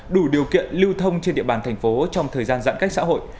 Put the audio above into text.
đủ điều kiện lưu thông trên địa bàn thành phố trong thời gian giãn cách xã hội